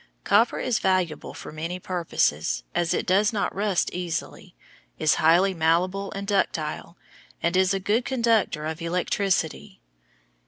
Copper is valuable for many purposes, as it does not rust easily, is highly malleable and ductile, and is a good conductor of electricity.